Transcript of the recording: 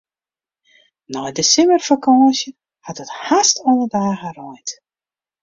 Nei de simmerfakânsje hat it hast alle dagen reind.